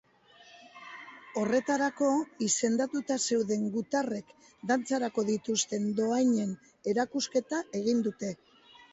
Horretarako, izendatuta zeuden gutarrek dantzarako dituzten dohainen erakusketa egin dute.